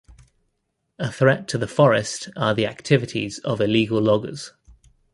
A threat to the forest are the activities of illegal loggers.